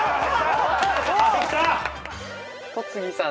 戸次さん